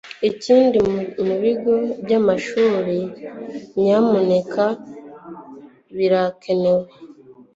Ikindi mu bigo by'amashuri nyamuneka birakenewe